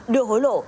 đưa hối lộ